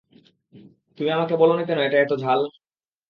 তুমি আমাকে বলনি কেন এটা এত ঝাল?